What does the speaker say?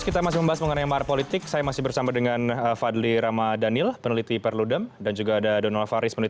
kami akan segera kembali setelah ini